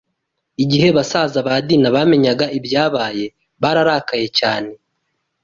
Igihe basaza ba Dina bamenyaga ibyabaye, bararakaye cyane